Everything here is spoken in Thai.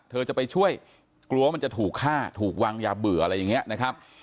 เธอจะไปช่วยกลัวมันจะถูกฆ่าถูกวางยาเบื่ออะไรอย่างนี้นะครับ